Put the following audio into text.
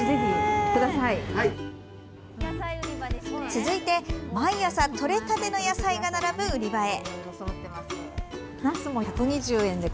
続いて、毎朝とれたての野菜が並ぶ売り場へ。